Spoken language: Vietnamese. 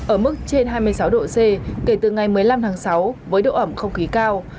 ở mức trên hai mươi sáu độ c kể từ ngày một mươi năm tháng sáu với độ ẩm không khí cao